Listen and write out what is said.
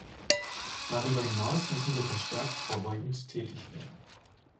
Darüber hinaus müssen wir verstärkt vorbeugend tätig werden.